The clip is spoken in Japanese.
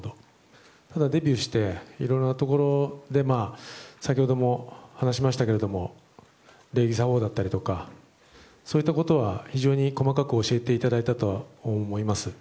ただ、デビューしていろいろなところで先ほども話しましたが礼儀作法だったりとかそういったことは、非常に細かく教えていただいたと思います。